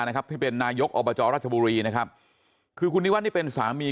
นะครับที่เป็นนายกอบจราชบุรีนะครับคือคุณนิวัฒนนี่เป็นสามี